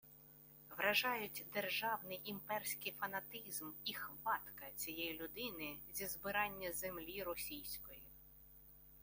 Вражають державний імперський фанатизм і «хватка» цієї людини зі «збирання землі російської»